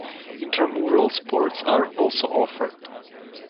Intramural sports are also offered.